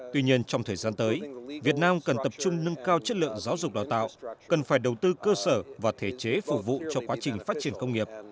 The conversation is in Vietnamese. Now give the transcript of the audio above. tuy nhiên trong thời gian tới việt nam cần tập trung nâng cao chất lượng giáo dục đào tạo cần phải đầu tư cơ sở và thể chế phục vụ cho quá trình phát triển công nghiệp